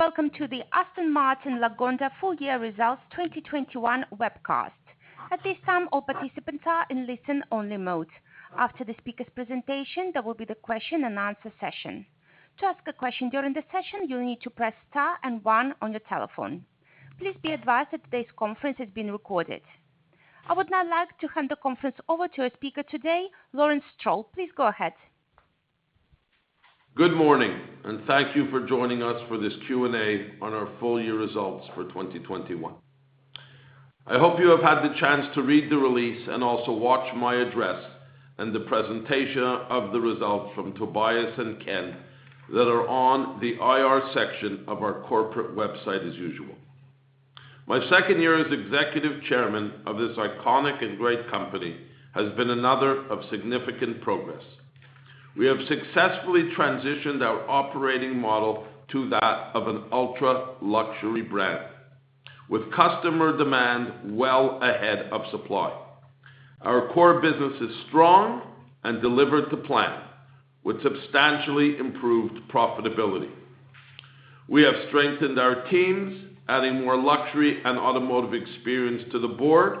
Welcome to the Aston Martin Lagonda full year results 2021 webcast. At this time, all participants are in listen only mode. After the speaker's presentation, there will be the question and answer session. To ask a question during the session, you'll need to press star and one on your telephone. Please be advised that today's conference is being recorded. I would now like to hand the conference over to our speaker today, Lawrence Stroll. Please go ahead. Good morning, and thank you for joining us for this Q&A on our full year results for 2021. I hope you have had the chance to read the release and also watch my address and the presentation of the results from Tobias and Ken that are on the IR section of our corporate website as usual. My second year as Executive Chairman of this iconic and great company has been another of significant progress. We have successfully transitioned our operating model to that of an ultra-luxury brand with customer demand well ahead of supply. Our core business is strong and delivered to plan with substantially improved profitability. We have strengthened our teams, adding more luxury and automotive experience to the board,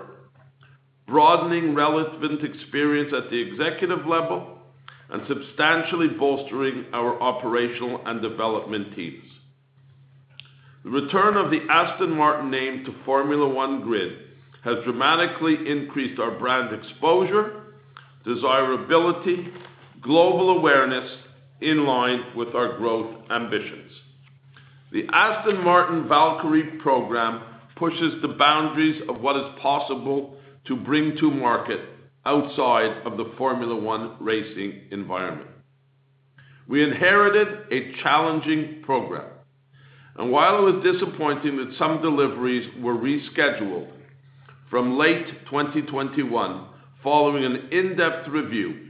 broadening relevant experience at the executive level, and substantially bolstering our operational and development teams. The return of the Aston Martin name to Formula One grid has dramatically increased our brand exposure, desirability, global awareness in line with our growth ambitions. The Aston Martin Valkyrie program pushes the boundaries of what is possible to bring to market outside of the Formula One racing environment. We inherited a challenging program, and while it was disappointing that some deliveries were rescheduled from late 2021 following an in-depth review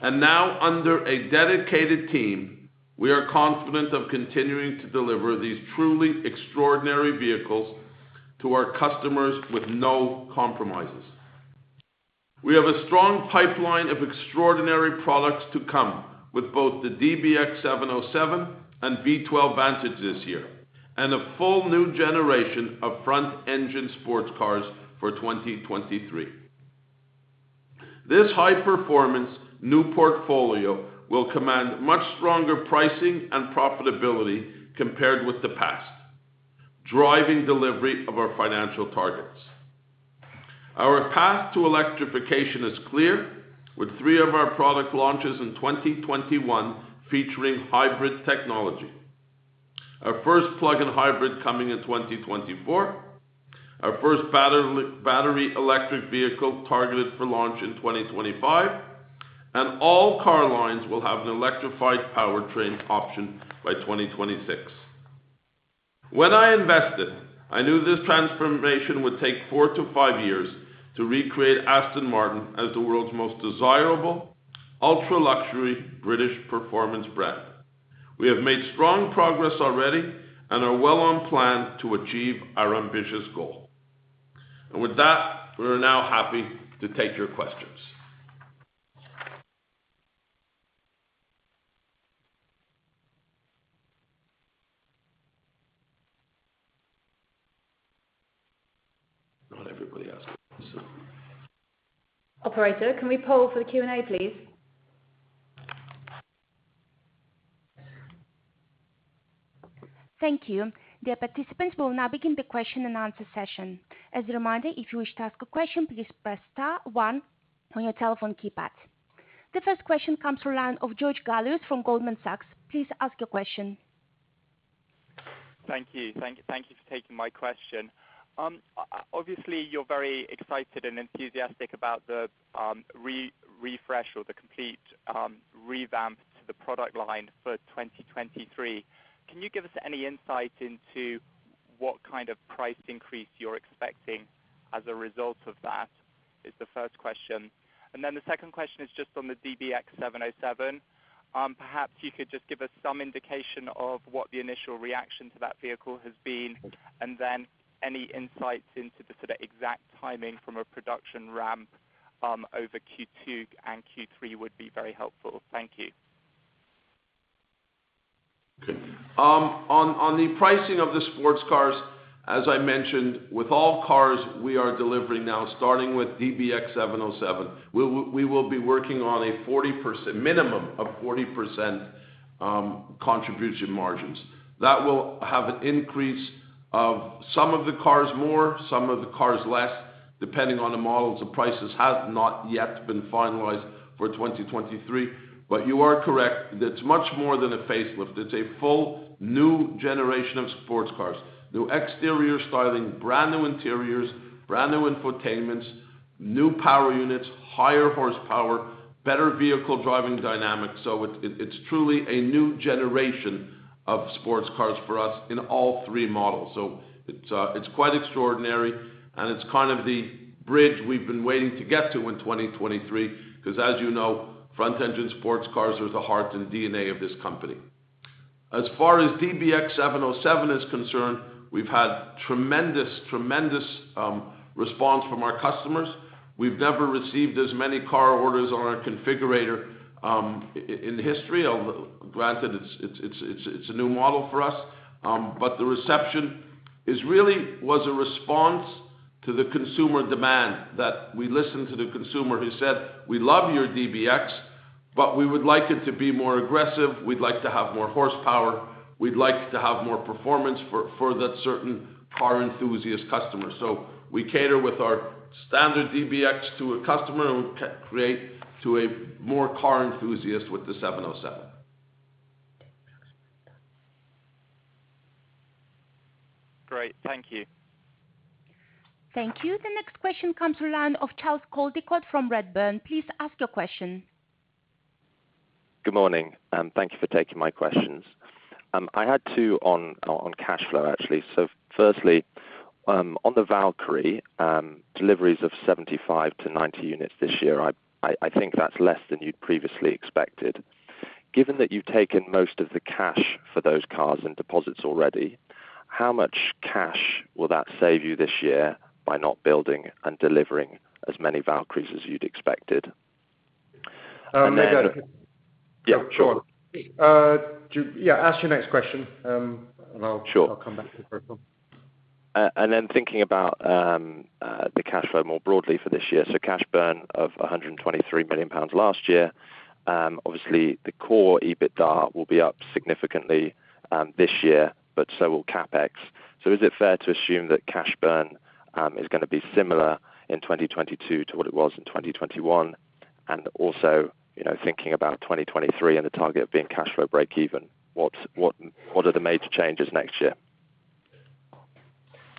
and now under a dedicated team, we are confident of continuing to deliver these truly extraordinary vehicles to our customers with no compromises. We have a strong pipeline of extraordinary products to come with both the DBX 707 and V12 Vantage this year, and a full new generation of front-engine sports cars for 2023. This high performance new portfolio will command much stronger pricing and profitability compared with the past, driving delivery of our financial targets. Our path to electrification is clear, with three of our product launches in 2021 featuring hybrid technology. Our first plug-in hybrid coming in 2024, our first battery electric vehicle targeted for launch in 2025, and all car lines will have an electrified powertrain option by 2026. When I invested, I knew this transformation would take 4-5 years to recreate Aston Martin as the world's most desirable ultra-luxury British performance brand. We have made strong progress already and are well on plan to achieve our ambitious goal. With that, we are now happy to take your questions. Operator, can we poll for the Q&A, please? Thank you. The participants will now begin the question and answer session. As a reminder, if you wish to ask a question, please press star one on your telephone keypad. The first question comes from the line of George Galliers from Goldman Sachs. Please ask your question. Thank you for taking my question. Obviously you're very excited and enthusiastic about the refresh or the complete revamp to the product line for 2023. Can you give us any insight into what kind of price increase you're expecting as a result of that? That's the first question. The second question is just on the DBX707. Perhaps you could just give us some indication of what the initial reaction to that vehicle has been, and then any insights into the sort of exact timing from a production ramp over Q2 and Q3 would be very helpful. Thank you. On the pricing of the sports cars, as I mentioned, with all cars we are delivering now, starting with DBX707. We will be working on a minimum of 40% contribution margins. That will have an increase of some of the cars more, some of the cars less, depending on the models. The prices have not yet been finalized for 2023. You are correct. That's much more than a facelift. It's a full new generation of sports cars. New exterior styling, brand-new interiors, brand-new infotainment, new power units, higher horsepower, better vehicle driving dynamics. It's truly a new generation of sports cars for us in all three models. It's quite extraordinary, and it's kind of the bridge we've been waiting to get to in 2023, 'cause as you know, front engine sports cars are the heart and DNA of this company. As far as DBX 707 is concerned, we've had tremendous response from our customers. We've never received as many car orders on our configurator in the history. Although granted, it's a new model for us. The reception really was a response to the consumer demand that we listened to the consumer who said, "We love your DBX, but we would like it to be more aggressive. We'd like to have more horsepower. We'd like to have more performance for that certain car enthusiast customer." We cater with our standard DBX to a customer and cater to a more car enthusiast with the 707. Great. Thank you. Thank you. The next question comes to the line of Charles Coldicott from Redburn. Please ask your question. Good morning, and thank you for taking my questions. I had two on cash flow, actually. Firstly, on the Valkyrie, deliveries of 75-90 units this year, I think that's less than you'd previously expected. Given that you've taken most of the cash for those cars and deposits already, how much cash will that save you this year by not building and delivering as many Valkyries as you'd expected? And then- I'm gonna- Yeah, sure. Go on. Yeah, ask your next question. Sure. I'll come back to the first one. Thinking about the cash flow more broadly for this year. Cash burn of 123 million pounds last year. Obviously the core EBITDA will be up significantly this year, but so will CapEx. Is it fair to assume that cash burn is gonna be similar in 2022 to what it was in 2021? Also, you know, thinking about 2023 and the target being cash flow breakeven, what are the major changes next year?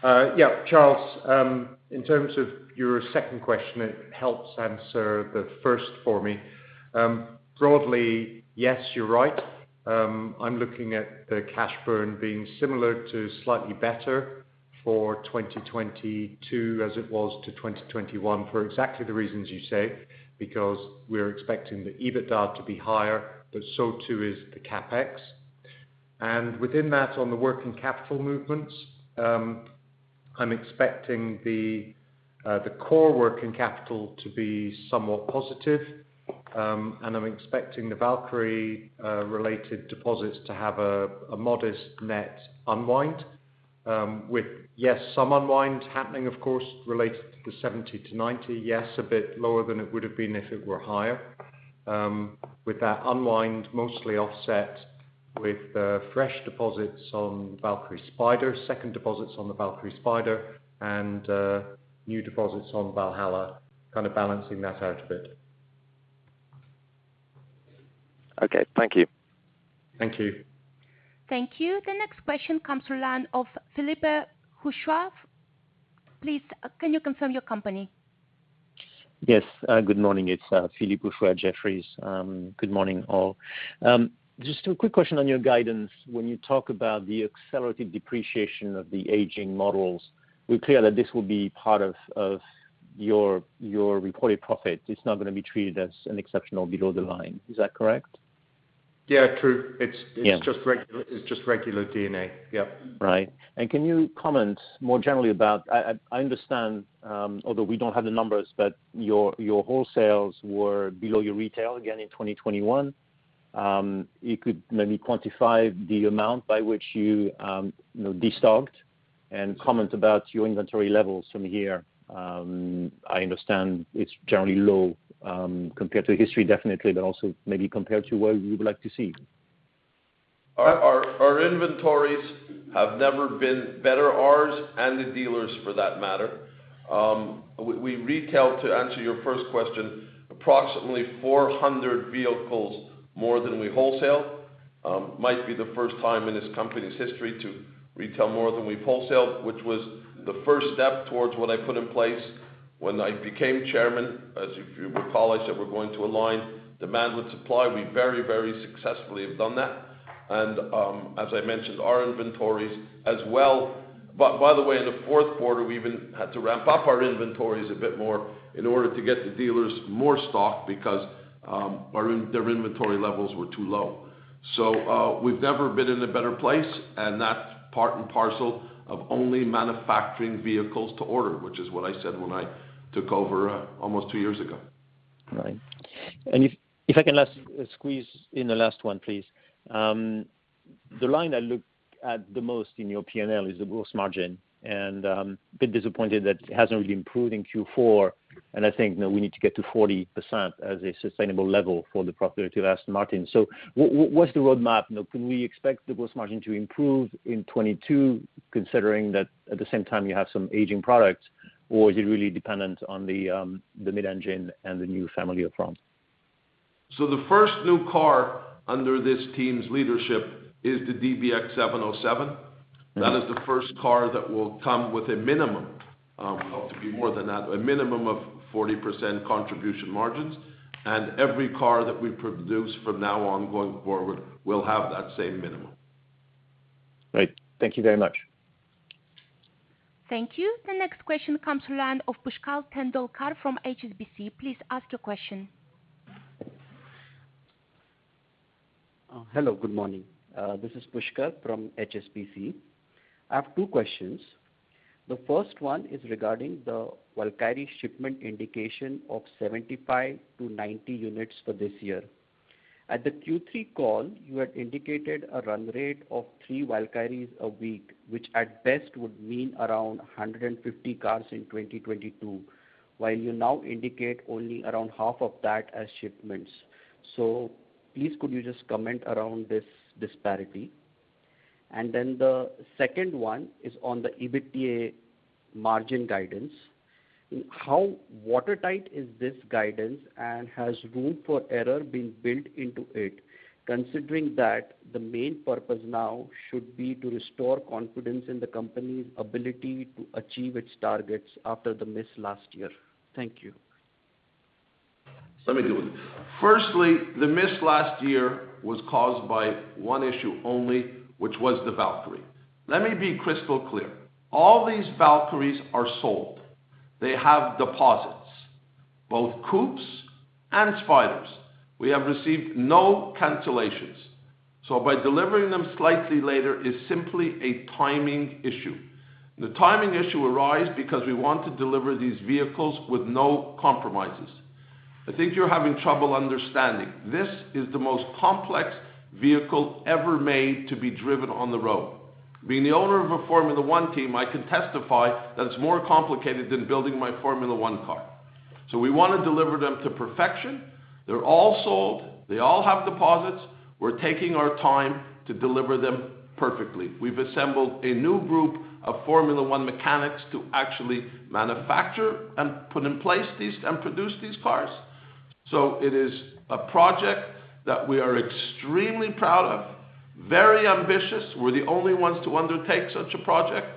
Yeah. Charles, in terms of your second question, it helps answer the first for me. Broadly, yes, you're right. I'm looking at the cash burn being similar to slightly better for 2022 as it was to 2021, for exactly the reasons you say, because we're expecting the EBITDA to be higher, but so too is the CapEx. Within that, on the working capital movements, I'm expecting the core working capital to be somewhat positive. I'm expecting the Valkyrie related deposits to have a modest net unwind, with yes, some unwind happening of course, related to the 70-90. Yes, a bit lower than it would have been if it were higher. With that unwind mostly offset with the fresh deposits on Valkyrie Spider, second deposits on the Valkyrie Spider and new deposits on Valhalla, kind of balancing that out a bit. Okay. Thank you. Thank you. Thank you. The next question comes to the line of Philippe Houchois. Please, can you confirm your company? Yes. Good morning. It's Philippe Houchois, Jefferies. Good morning, all. Just a quick question on your guidance. When you talk about the accelerated depreciation of the aging models, we're clear that this will be part of your reported profit. It's not gonna be treated as an exceptional below the line. Is that correct? Yeah. True. Yeah. It's just regular D&A. Yeah. Right. Can you comment more generally about I understand, although we don't have the numbers, but your wholesales were below your retail again in 2021. You could maybe quantify the amount by which you know, destocked and comment about your inventory levels from here. I understand it's generally low, compared to history definitely, but also maybe compared to where you would like to see. Our inventories have never been better, ours and the dealers for that matter. We retailed, to answer your first question, approximately 400 vehicles more than we wholesale. Might be the first time in this company's history to retail more than we've wholesaled, which was the first step towards what I put in place when I became chairman. As you will recall, I said we're going to align demand with supply. We very successfully have done that. As I mentioned, our inventories as well. By the way, in the fourth quarter, we even had to ramp up our inventories a bit more in order to get the dealers more stock because their inventory levels were too low. We've never been in a better place, and that's part and parcel of only manufacturing vehicles to order, which is what I said when I took over, almost two years ago. Right. If I can just squeeze in a last one, please. The line I look at the most in your P&L is the gross margin, and I'm a bit disappointed that it hasn't really improved in Q4, and I think that we need to get to 40% as a sustainable level for the profitability of Aston Martin. What’s the roadmap? You know, can we expect the gross margin to improve in 2022, considering that at the same time you have some aging products, or is it really dependent on the mid-engine and the new family of products? The first new car under this team's leadership is the DBX707. Mm-hmm. That is the first car that will come with a minimum, we hope to be more than that, a minimum of 40% contribution margins. Every car that we produce from now on going forward will have that same minimum. Great. Thank you very much. Thank you. The next question comes to the line of Pushkar Tendolkar from HSBC. Please ask your question. Hello, good morning. This is Pushkar from HSBC. I have two questions. The first one is regarding the Valkyrie shipment indication of 75-90 units for this year. At the Q3 call, you had indicated a run rate of 3 Valkyries a week, which at best would mean around 150 cars in 2022, while you now indicate only around half of that as shipments. Please could you just comment around this disparity? Then the second one is on the EBITDA margin guidance. How watertight is this guidance, and has room for error been built into it, considering that the main purpose now should be to restore confidence in the company's ability to achieve its targets after the miss last year? Thank you. Let me do it. Firstly, the miss last year was caused by one issue only, which was the Valkyrie. Let me be crystal clear. All these Valkyries are sold. They have deposits, both coupes and Spiders. We have received no cancellations. By delivering them slightly later is simply a timing issue. The timing issue arise because we want to deliver these vehicles with no compromises. I think you're having trouble understanding. This is the most complex vehicle ever made to be driven on the road. Being the owner of a Formula One team, I can testify that it's more complicated than building my Formula One car. We wanna deliver them to perfection. They're all sold. They all have deposits. We're taking our time to deliver them perfectly. We've assembled a new group of Formula One mechanics to actually manufacture and put in place these and produce these cars. It is a project that we are extremely proud of, very ambitious. We're the only ones to undertake such a project,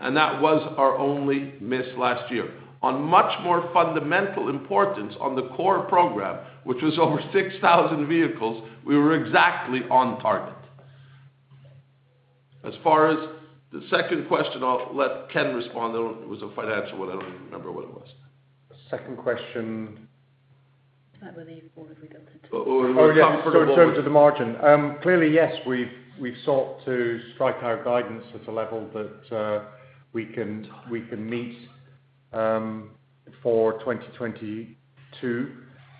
and that was our only miss last year. On much more fundamental importance on the core program, which was over 6,000 vehicles, we were exactly on target. As far as the second question, I'll let Ken respond. It was a financial one. I don't even remember what it was. The second question. About whether the Oh, yeah. In terms of the margin. Clearly, yes, we've sought to strike our guidance at a level that we can meet for 2022. You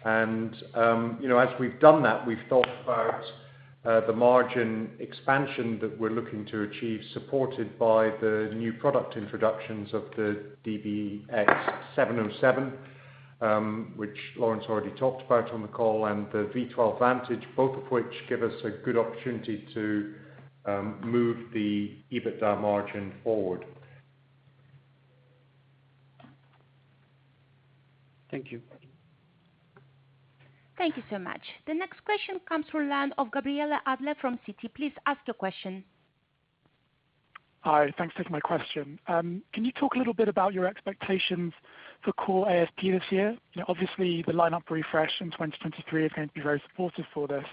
know, as we've done that, we've thought about the margin expansion that we're looking to achieve, supported by the new product introductions of the DBX 707, which Lawrence already talked about on the call, and the V12 Vantage, both of which give us a good opportunity to move the EBITDA margin forward. Thank you. Thank you so much. The next question comes from the line of Gabriel Adler from Citi. Please ask your question. Hi. Thanks for taking my question. Can you talk a little bit about your expectations for core ASP this year? Obviously, the lineup refresh in 2023 is going to be very supportive for this.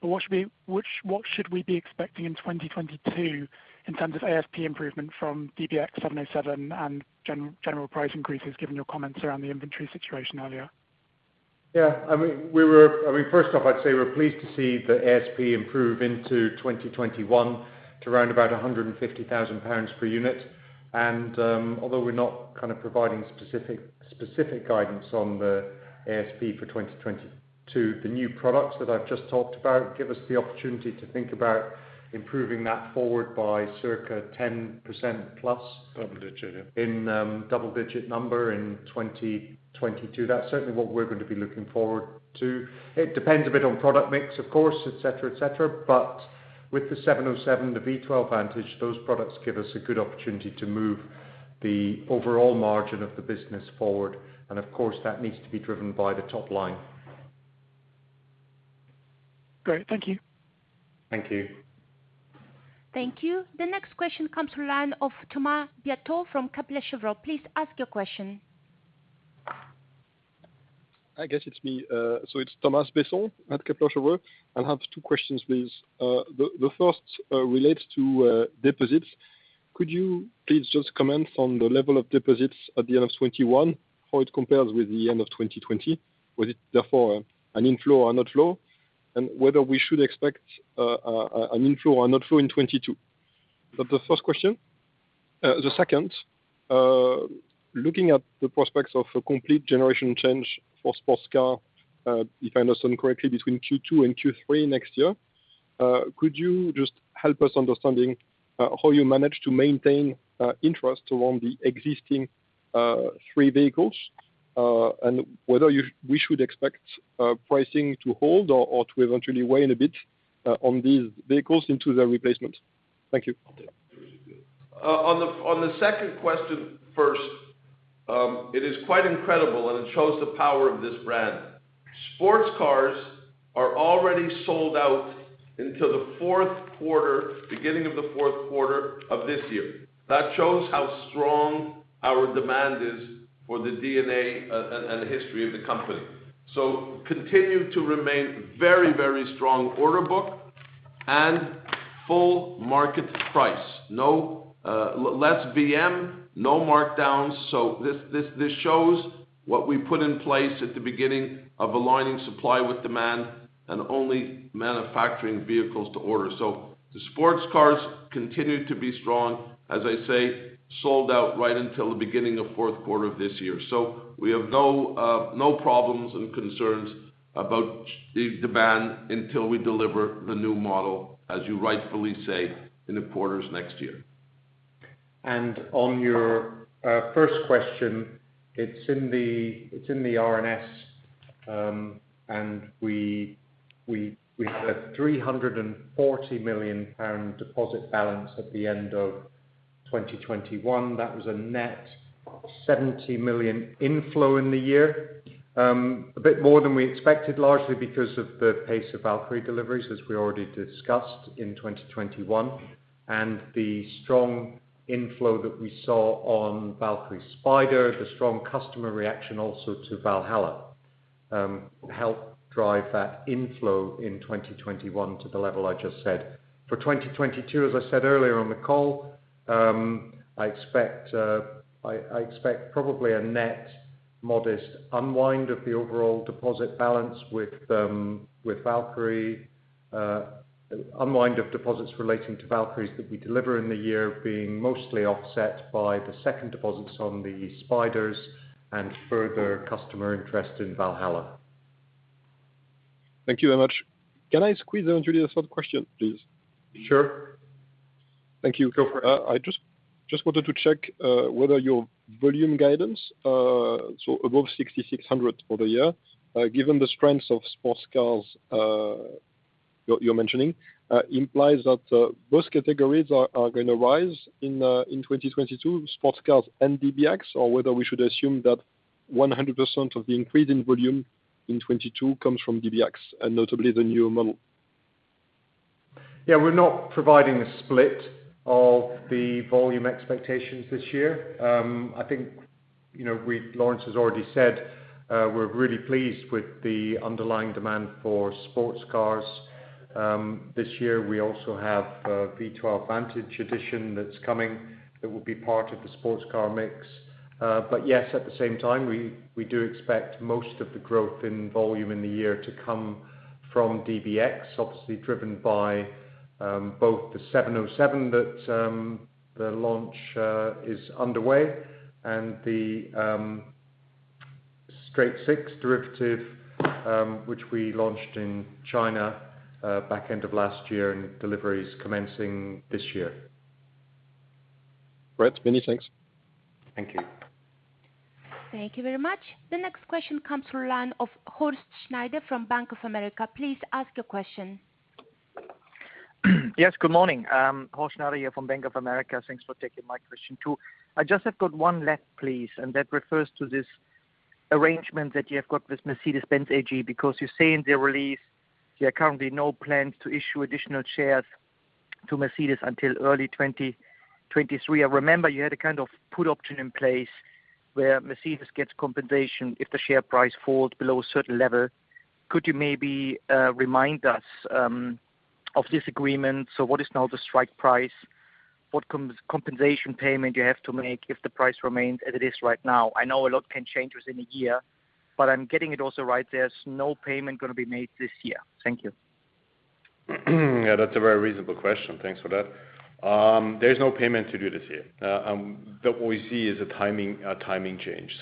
What should we be expecting in 2022 in terms of ASP improvement from DBX 707 and general price increases, given your comments around the inventory situation earlier? Yeah, first off, I'd say we're pleased to see the ASP improve into 2021 to round about 150,000 pounds per unit. Although we're not kind of providing specific guidance on the ASP for 2022, the new products that I've just talked about give us the opportunity to think about improving that forward by circa 10% plus. Double-digit, yeah. In double-digit number in 2022. That's certainly what we're going to be looking forward to. It depends a bit on product mix, of course, et cetera, et cetera. With the DBX707, the V12 Vantage, those products give us a good opportunity to move the overall margin of the business forward. Of course, that needs to be driven by the top line. Great. Thank you. Thank you. Thank you. The next question comes from line of Thomas Besson from Kepler Cheuvreux. Please ask your question. I guess it's me. It's Thomas Besson at Kepler Cheuvreux. I'll have two questions, please. The first relates to deposits. Could you please just comment on the level of deposits at the end of 2021, how it compares with the end of 2020? Was it therefore an inflow or outflow? And whether we should expect an inflow or outflow in 2022. That's the first question. The second, looking at the prospects of a complete generation change for sports cars, if I understand correctly, between Q2 and Q3 next year, could you just help us understand how you manage to maintain interest along the existing three vehicles, and whether we should expect pricing to hold or to eventually wane a bit on these vehicles into the replacement? Thank you. On the second question first, it is quite incredible, and it shows the power of this brand. Sports cars are already sold out into the fourth quarter, beginning of the fourth quarter of this year. That shows how strong our demand is for the DNA, and the history of the company. Continue to remain very strong order book and full market price. No less VM, no markdowns. This shows what we put in place at the beginning of aligning supply with demand and only manufacturing vehicles to order. The sports cars continue to be strong, as I say, sold out right until the beginning of fourth quarter of this year. We have no problems and concerns about the demand until we deliver the new model, as you rightfully say, in the quarters next year. On your first question, it's in the RNS, and we had a 340 million pound deposit balance at the end of 2021. That was a net 70 million inflow in the year. A bit more than we expected, largely because of the pace of Valkyrie deliveries, as we already discussed in 2021, and the strong inflow that we saw on Valkyrie Spider. The strong customer reaction also to Valhalla helped drive that inflow in 2021 to the level I just said. For 2022, as I said earlier on the call, I expect probably a net modest unwind of the overall deposit balance with Valkyrie. Unwind of deposits relating to Valkyries that we deliver in the year being mostly offset by the second deposits on the Spiders and further customer interest in Valhalla. Thank you very much. Can I squeeze in, Julian, a third question, please? Sure. Thank you. Go for it. I just wanted to check whether your volume guidance, so above 6,600 for the year, given the strength of sports cars you're mentioning, implies that both categories are gonna rise in 2022, sports cars and DBX? Or whether we should assume that 100% of the increase in volume in 2022 comes from DBX and notably the newer model? Yeah, we're not providing a split of the volume expectations this year. I think, you know, Lawrence has already said, we're really pleased with the underlying demand for sports cars. This year we also have a V12 Vantage edition that's coming, that will be part of the sports car mix. But yes, at the same time, we do expect most of the growth in volume in the year to come from DBX, obviously driven by both the 707 that the launch is underway and the DBX Straight-Six derivative, which we launched in China, back end of last year and deliveries commencing this year. Great. Many thanks. Thank you. Thank you very much. The next question comes from the line of Horst Schneider from Bank of America. Please ask your question. Yes, good morning. Horst Schneider here from Bank of America. Thanks for taking my question too. I just have got one left, please, and that refers to this arrangement that you have got with Mercedes-Benz AG. Because you say in the release there are currently no plans to issue additional shares to Mercedes until early 2023. I remember you had a kind of put option in place where Mercedes gets compensation if the share price falls below a certain level. Could you maybe remind us of this agreement? So what is now the strike price? What compensation payment you have to make if the price remains as it is right now? I know a lot can change within a year, but I'm getting it also right, there's no payment gonna be made this year. Thank you. Yeah, that's a very reasonable question. Thanks for that. There's no payment to do this year. What we see is a timing change.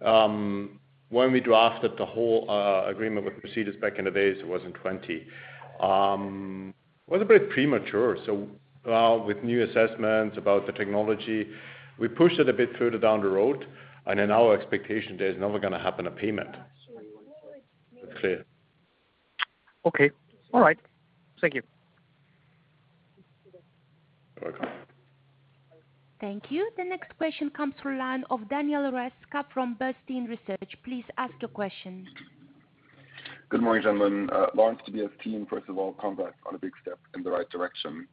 When we drafted the whole agreement with Mercedes back in the days, it was in 2020, was a bit premature. With new assessments about the technology, we pushed it a bit further down the road, and in our expectation, there's never gonna happen a payment. Clear. Okay. All right. Thank you. You're welcome. Thank you. The next question comes from the line of Daniel Roeska from Bernstein Research. Please ask your question. Good morning, gentlemen. Lawrence, DBS team, first of all, congrats on a big step in the right direction.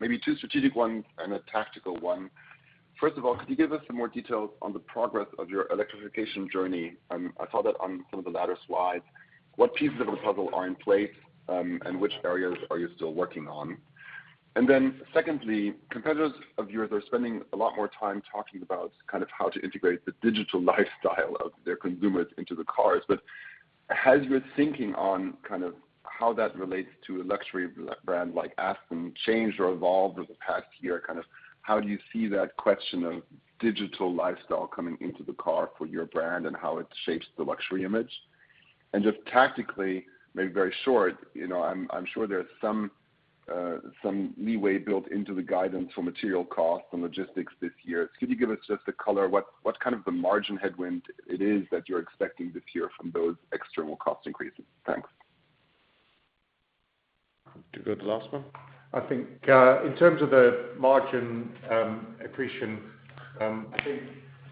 Maybe two strategic ones and a tactical one. First of all, could you give us some more details on the progress of your electrification journey? I saw that on some of the latter slides. What pieces of the puzzle are in place, and which areas are you still working on? Secondly, competitors of yours are spending a lot more time talking about kind of how to integrate the digital lifestyle of their consumers into the cars. Has your thinking on kind of how that relates to a luxury brand like Aston changed or evolved over the past year? Kind of how do you see that question of digital lifestyle coming into the car for your brand and how it shapes the luxury image? Just tactically, maybe very short, you know, I'm sure there's some leeway built into the guidance for material costs and logistics this year. Could you give us just a color what kind of the margin headwind it is that you're expecting this year from those external cost increases? Thanks. Do you want the last one? I think in terms of the margin accretion, I think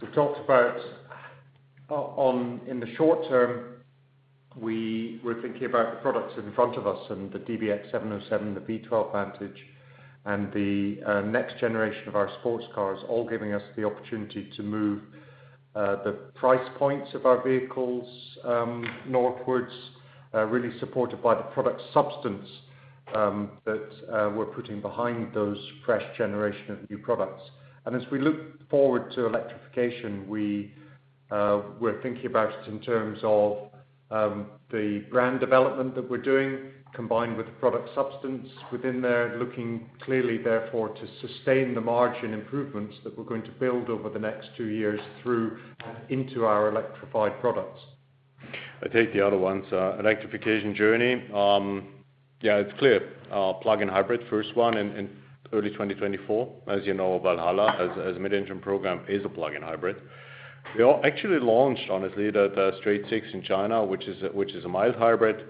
we've talked about in the short term. We were thinking about the products in front of us and the DBX 707, the V12 Vantage. The next generation of our sports cars all giving us the opportunity to move the price points of our vehicles northwards, really supported by the product substance that we're putting behind those fresh generation of new products. As we look forward to electrification, we're thinking about it in terms of the brand development that we're doing combined with product substance within there. Looking clearly therefore to sustain the margin improvements that we're going to build over the next two years through and into our electrified products. I'll take the other one. Electrification journey, yeah, it's clear. Our plug-in hybrid, first one in early 2024. As you know, Valhalla as mid-engine program is a plug-in hybrid. We actually launched honestly the DBX Straight-Six in China, which is a mild hybrid.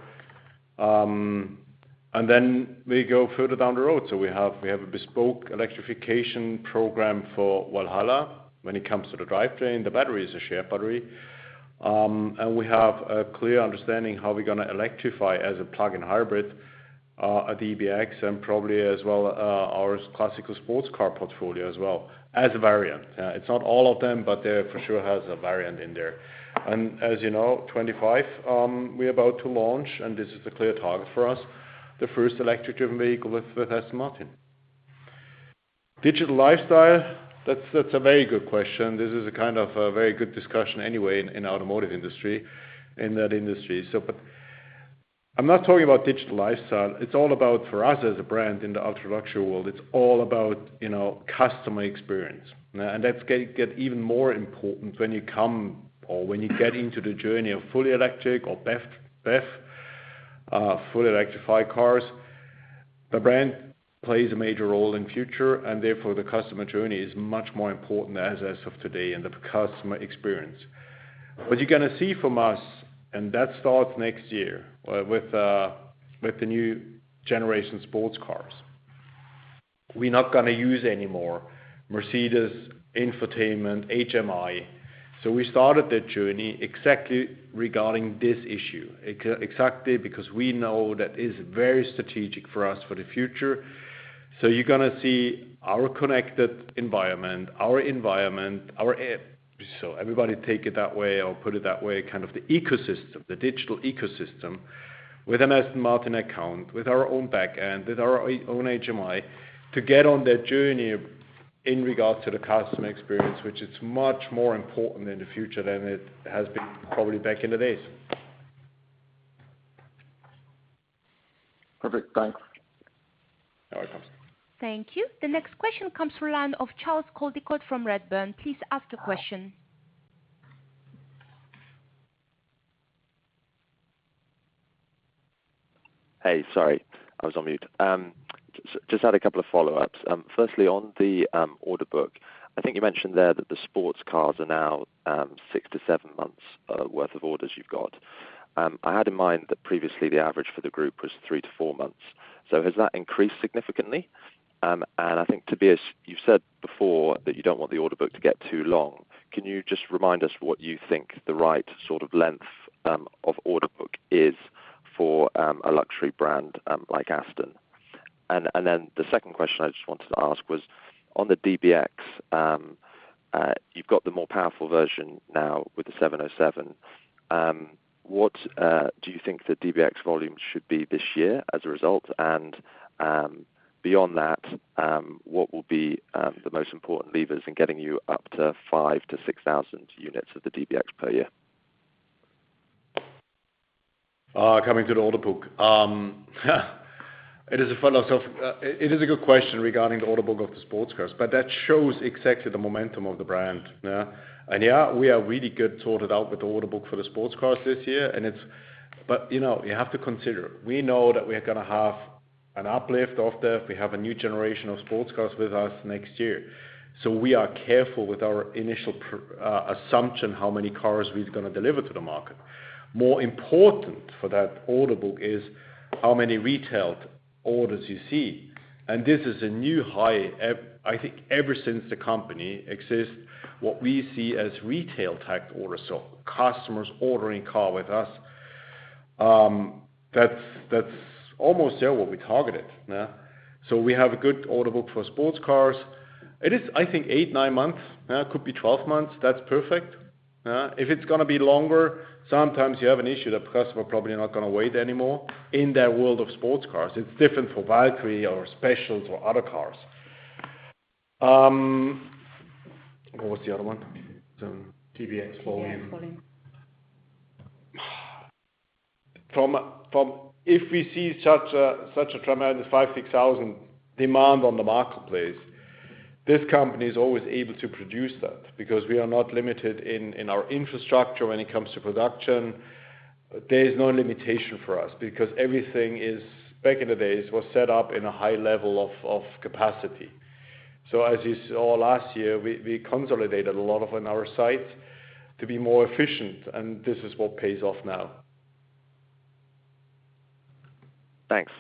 Then we go further down the road. We have a bespoke electrification program for Valhalla when it comes to the drivetrain. The battery is a shared battery. We have a clear understanding how we're gonna electrify as a plug-in hybrid a DBX and probably as well our classical sports car portfolio as well as a variant. It's not all of them, but there for sure has a variant in there. As you know, 2025, we're about to launch, and this is the clear target for us, the first electric driven vehicle with Aston Martin. Digital lifestyle, that's a very good question. This is a kind of a very good discussion anyway in the automotive industry, in that industry. But I'm not talking about digital lifestyle. It's all about, for us as a brand in the ultra-luxury world, it's all about, you know, customer experience. Now, and that's get even more important when you come or when you get into the journey of fully electric or BEV, fully electrified cars. The brand plays a major role in future, and therefore the customer journey is much more important as of today and the customer experience. What you're gonna see from us, and that starts next year with the new generation sports cars. We're not gonna use anymore Mercedes infotainment HMI. We started that journey exactly regarding this issue. Exactly because we know that is very strategic for us for the future. You're gonna see our connected environment, our app. Everybody take it that way or put it that way, kind of the ecosystem, the digital ecosystem with an Aston Martin account, with our own backend, with our own HMI, to get on that journey in regards to the customer experience, which is much more important in the future than it has been probably back in the days. Perfect. Thanks. No worries. Thank you. The next question comes from the line of Charles Coldicott from Redburn. Please ask the question. Hey, sorry, I was on mute. Just had a couple of follow-ups. Firstly on the order book, I think you mentioned there that the sports cars are now 6-7 months worth of orders you've got. I had in mind that previously the average for the group was 3-4 months. Has that increased significantly? I think, Tobias, you've said before that you don't want the order book to get too long. Can you just remind us what you think the right sort of length of order book is for a luxury brand like Aston? Then the second question I just wanted to ask was on the DBX, you've got the more powerful version now with the 707. What do you think the DBX volumes should be this year as a result? Beyond that, what will be the most important levers in getting you up to 5,000-6,000 units of the DBX per year? Coming to the order book. It is a good question regarding the order book of the sports cars, but that shows exactly the momentum of the brand. We are really good sorted out with the order book for the sports cars this year, and it's. You know, you have to consider, we know that we are gonna have an uplift of the, we have a new generation of sports cars with us next year. We are careful with our initial assumption, how many cars we're gonna deliver to the market. More important for that order book is how many retailed orders you see, and this is a new high ever since the company exists, what we see as retail type orders. Customers ordering car with us, that's almost there, what we targeted. Yeah. We have a good order book for sports cars. It is, I think, 8-9 months. Yeah. It could be 12 months. That's perfect. If it's gonna be longer, sometimes you have an issue, the customer probably not gonna wait anymore in that world of sports cars. It's different for Valkyrie or specials or other cars. What was the other one? DBX volume. DBX volume. If we see such a tremendous 5,000-6,000 demand on the marketplace, this company's always able to produce that because we are not limited in our infrastructure when it comes to production. There is no limitation for us because everything, back in the days, was set up in a high level of capacity. As you saw last year, we consolidated a lot in our site to be more efficient and this is what pays off now. Thanks.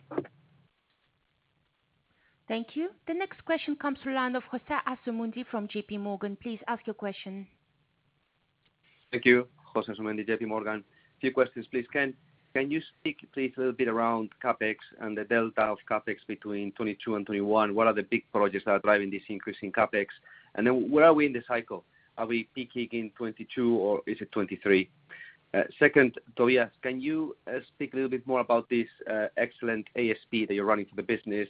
Thank you. The next question comes from the line of Jose Asumendi from JP Morgan. Please ask your question. Thank you. Jose Asumendi, J.P. Morgan. Few questions, please. Can you speak please a little bit around CapEx and the delta of CapEx between 2022 and 2021? What are the big projects that are driving this increase in CapEx? Where are we in the cycle? Are we peaking in 2022 or is it 2023? Second, Tobias, can you speak a little bit more about this excellent ASP that you're running for the business?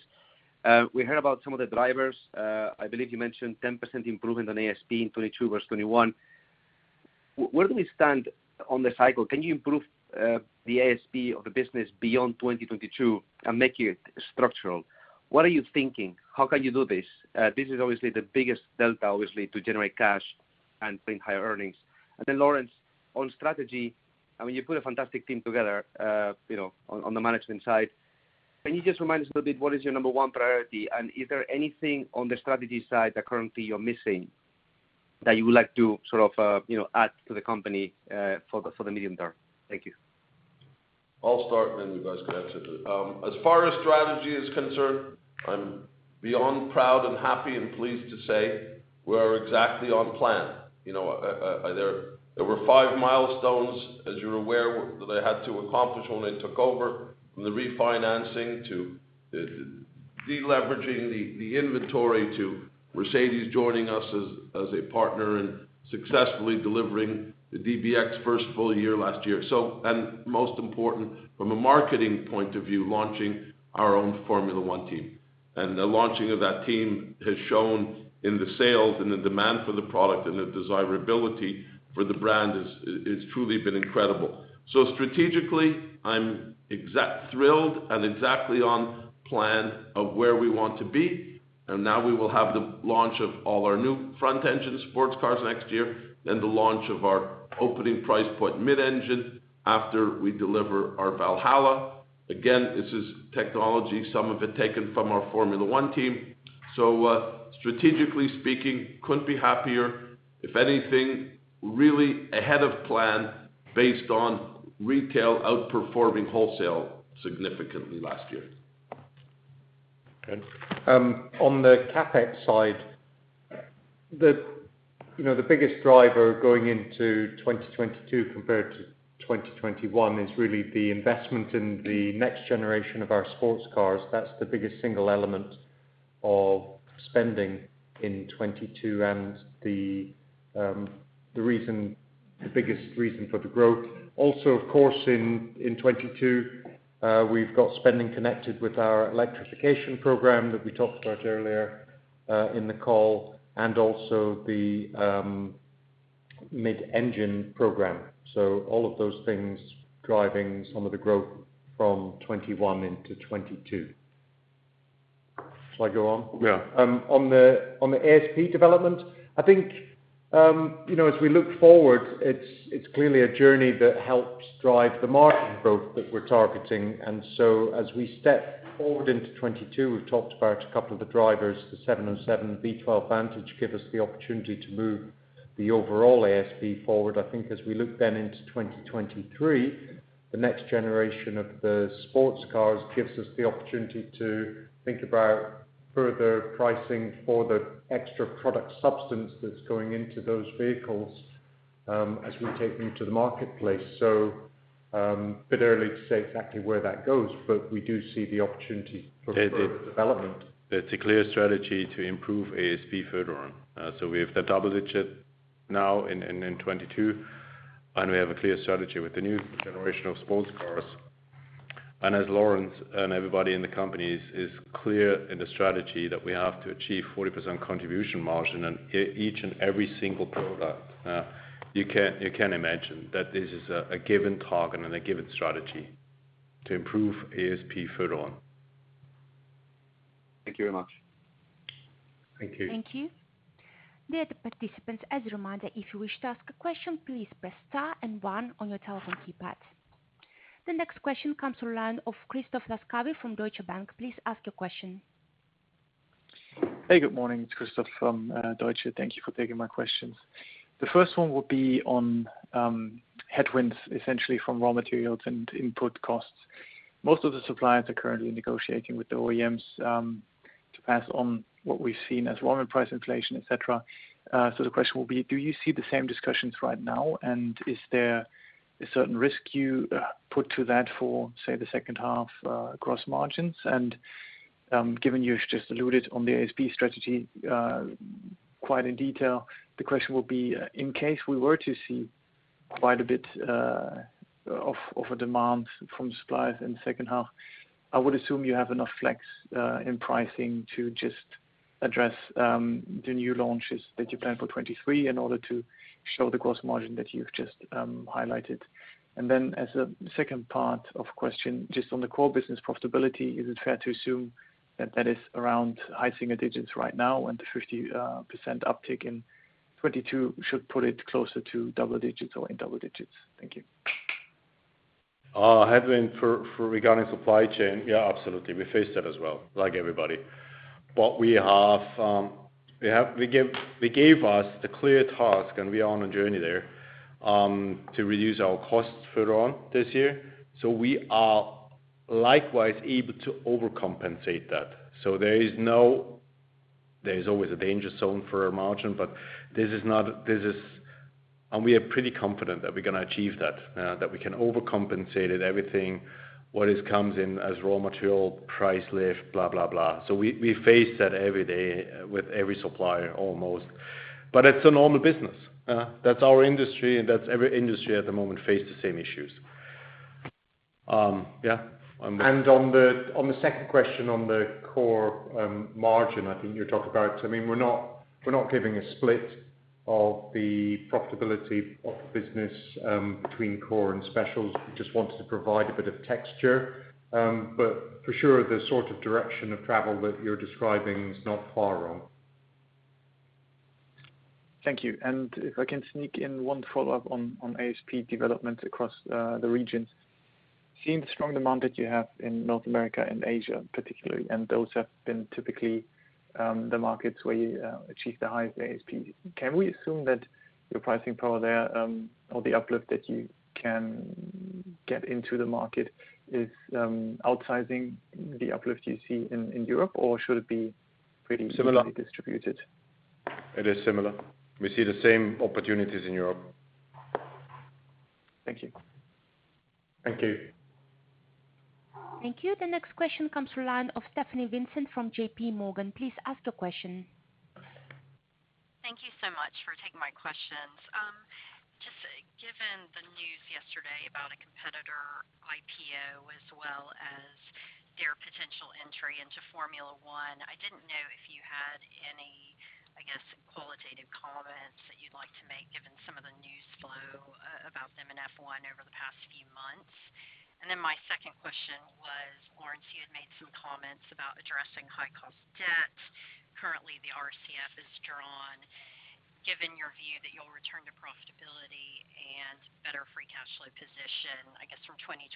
We heard about some of the drivers. I believe you mentioned 10% improvement on ASP in 2022 versus 2021. Where do we stand on the cycle? Can you improve the ASP of the business beyond 2022 and make it structural? What are you thinking? How can you do this? This is obviously the biggest delta, obviously, to generate cash and bring higher earnings. Then Lawrence, on strategy, I mean, you put a fantastic team together, you know, on the management side. Can you just remind us a little bit, what is your number one priority? Is there anything on the strategy side that currently you're missing that you would like to sort of, you know, add to the company, for the medium term? Thank you. I'll start and then you guys can answer it. As far as strategy is concerned, I'm beyond proud and happy and pleased to say we are exactly on plan. You know, there were five milestones, as you're aware, that I had to accomplish when I took over, from the refinancing to the deleveraging, the inventory, to Mercedes joining us as a partner and successfully delivering the DBX first full year last year. Most important from a marketing point of view, launching our own Formula One team. The launching of that team has shown in the sales and the demand for the product and the desirability for the brand is truly been incredible. Strategically, I'm thrilled and exactly on plan of where we want to be. Now we will have the launch of all our new front engine sports cars next year, then the launch of our opening price point mid-engine after we deliver our Valhalla. Again, this is technology, some of it taken from our Formula One team. Strategically speaking, couldn't be happier. If anything, really ahead of plan based on retail outperforming wholesale significantly last year. Good. On the CapEx side, you know, the biggest driver going into 2022 compared to 2021 is really the investment in the next generation of our sports cars. That's the biggest single element of spending in 2022 and the reason, the biggest reason for the growth. Also, of course, in 2022, we've got spending connected with our electrification program that we talked about earlier in the call and also the mid-engine program. All of those things driving some of the growth from 2021 into 2022. Shall I go on? Yeah. On the ASP development, I think, you know, as we look forward, it's clearly a journey that helps drive the margin growth that we're targeting. As we step forward into 2022, we've talked about a couple of the drivers, the 707, V12 Vantage give us the opportunity to move the overall ASP forward. I think as we look then into 2023, the next generation of the sports cars gives us the opportunity to think about further pricing for the extra product substance that's going into those vehicles, as we take them to the marketplace. A bit early to say exactly where that goes, but we do see the opportunity for further development. It's a clear strategy to improve ASP further on. We have the double digit now in 2022, and we have a clear strategy with the new generation of sports cars. As Lawrence and everybody in the company is clear in the strategy that we have to achieve 40% contribution margin on each and every single product, you can imagine that this is a given target and a given strategy to improve ASP further on. Thank you very much. Thank you. Thank you. Dear participants, as a reminder, if you wish to ask a question, please press star and one on your telephone keypad. The next question comes from the line of Christoph Laskawi from Deutsche Bank. Please ask your question. Hey, good morning. It's Christoph Laskawi from Deutsche Bank. Thank you for taking my questions. The first one would be on headwinds, essentially from raw materials and input costs. Most of the suppliers are currently negotiating with the OEMs to pass on what we've seen as raw material price inflation, et cetera. The question will be, do you see the same discussions right now? Is there a certain risk you put to that for, say, the second half gross margins? Given you just alluded on the ASP strategy quite in detail, the question would be, in case we were to see quite a bit of a demand from suppliers in the second half, I would assume you have enough flex in pricing to just address the new launches that you plan for 2023 in order to show the gross margin that you've just highlighted. As a second part of the question, just on the core business profitability, is it fair to assume that that is around high single digits right now and the 50% uptick in 2022 should put it closer to double digits or in double digits? Thank you. Headwinds regarding supply chain, yeah, absolutely. We face that as well, like everybody. What we have, we gave ourselves the clear task, and we are on a journey there to reduce our costs further in this year. We are likewise able to overcompensate that. There is no There's always a danger zone for our margin, but this is. We are pretty confident that we're gonna achieve that we can overcompensate it, everything what comes in as raw material, price lift, blah, blah. So we face that every day with every supplier almost. But it's a normal business. That's our industry, and that's every industry at the moment face the same issues. On the second question on the core margin, I think you talked about, I mean, we're not giving a split of the profitability of business between core and specials. We just wanted to provide a bit of texture. But for sure, the sort of direction of travel that you're describing is not far off. Thank you. If I can sneak in one follow-up on ASP development across the regions. Seeing the strong demand that you have in North America and Asia particularly, and those have been typically the markets where you achieve the highest ASPs. Can we assume that your pricing power there, or the uplift that you can get into the market is outsizing the uplift you see in Europe? Or should it be pretty- Similar Evenly distributed? It is similar. We see the same opportunities in Europe. Thank you. Thank you. Thank you. The next question comes from the line of Stephanie Vincent from J.P. Morgan. Please ask your question. Thank you so much for taking my questions. Just given the news yesterday about a competitor IPO as well as their potential entry into Formula One, I didn't know if you had any, I guess, qualitative comments that you'd like to make given some of the news flow about them in F1 over the past few months. Then my second question was, Lawrence, you had made some comments about addressing high-cost debt. Currently, the RCF is drawn. Given your view that you'll return to profitability and better free cash flow position, I guess from 2023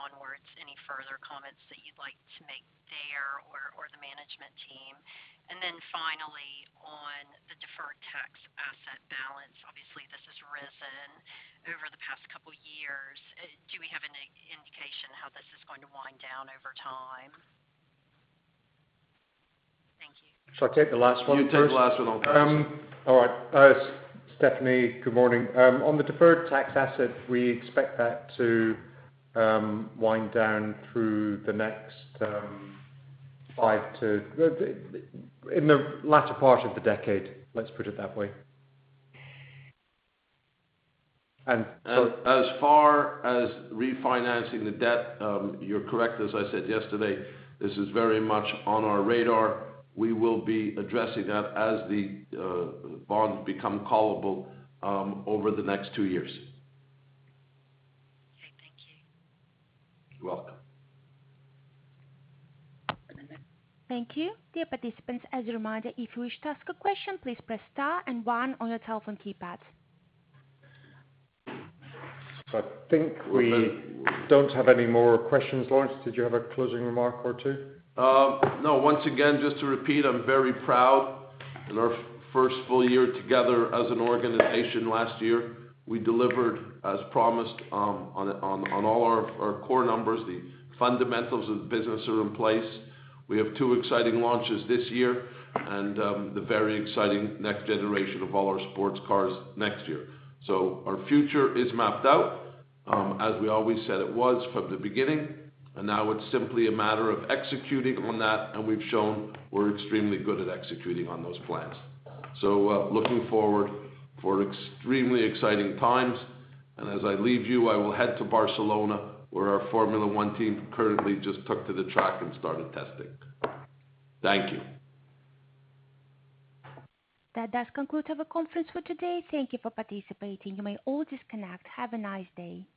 onwards, any further comments that you'd like to make there or the management team? Then finally, on the deferred tax asset balance, obviously this has risen over the past couple years. Do we have any indication how this is going to wind down over time? Thank you. Should I take the last one first? You take the last one. I'll pass. All right. Stephanie, good morning. On the deferred tax asset, we expect that to wind down through the next 5 to 10 in the latter part of the decade. Let's put it that way. As far as refinancing the debt, you're correct, as I said yesterday, this is very much on our radar. We will be addressing that as the bonds become callable over the next two years. Okay. Thank you. You're welcome. Thank you. Dear participants, as a reminder, if you wish to ask a question, please press star and one on your telephone keypad. I think we don't have any more questions. Lawrence, did you have a closing remark or two? No. Once again, just to repeat, I'm very proud of our first full year together as an organization last year. We delivered as promised on all our core numbers. The fundamentals of the business are in place. We have two exciting launches this year and the very exciting next generation of all our sports cars next year. Our future is mapped out as we always said it was from the beginning, and now it's simply a matter of executing on that, and we've shown we're extremely good at executing on those plans. Looking forward to extremely exciting times. As I leave you, I will head to Barcelona, where our Formula One team currently just took to the track and started testing. Thank you. That does conclude our conference for today. Thank you for participating. You may all disconnect. Have a nice day.